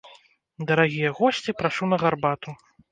Дарагія госці, прашу на гарбату.